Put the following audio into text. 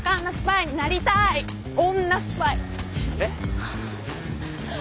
えっ？